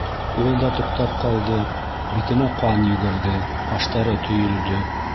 Ул да туҡтап ҡалды, битенә ҡан йүгерҙе, ҡаштары төйөлдө.